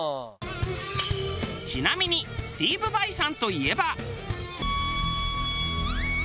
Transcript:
ちなみにスティーヴ・ヴァイさんといえば。